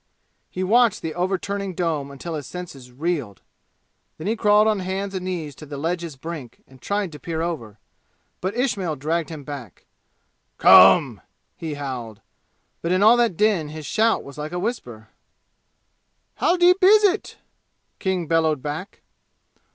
He watched the overturning dome until his senses reeled. Then he crawled on hands and knees to the ledge's brink and tried to peer over. But Ismail dragged him back. "Come!" he howled; but in all that din his shout was like a whisper. "How deep is it?" King bellowed back.